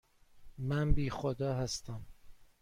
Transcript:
من بی خدا هستم.